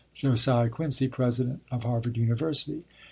"JOSIAH QUINCY, "President of Harvard University."